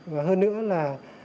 và hơn nữa là